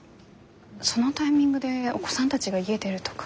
そのタイミングでお子さんたちが家出るとか。